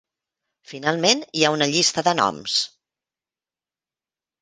Finalment hi ha una llista de noms.